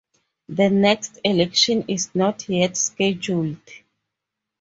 The next election is not yet scheduled.